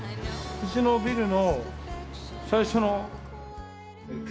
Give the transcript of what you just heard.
うちのビルの最初の。